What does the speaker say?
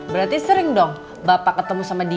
berarti sering dong bapak ketemu sama dia